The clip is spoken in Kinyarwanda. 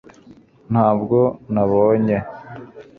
ntabwo nabonye